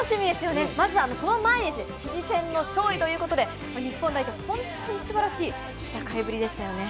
その前にチリ戦の勝利ということで、日本代表は本当に素晴らしい戦いぶりでしたよね。